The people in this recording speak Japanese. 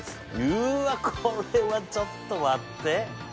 うわこれはちょっと待って。